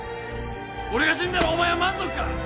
俺が死んだらお前は満足か？